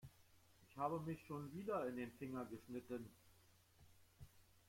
Ich habe mich schon wieder in den Finger geschnitten.